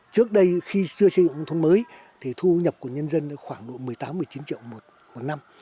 trước đây khi chưa xây dựng nông thôn mới thì thu nhập của nhân dân khoảng độ một mươi tám một mươi chín triệu một năm